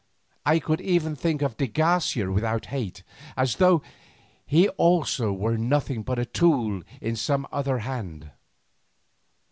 I could even think of de Garcia without hate, as though he also were nothing but a tool in some other hand.